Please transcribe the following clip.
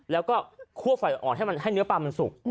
แล้วก็คั่วไฟอ่อนให้มันให้เนื้อปลามันสุก